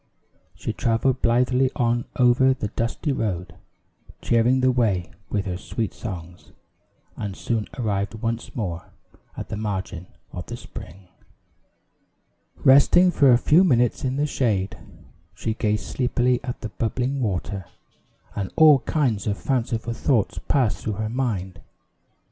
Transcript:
She traveled blithely on over the dusty road, cheering the way with her sweet songs, and soon arrived once more at the margin of the spring. Resting for a few minutes in the shade, she gazed sleepily at the bubbling water, and all kinds of fanciful thoughts passed through her mind.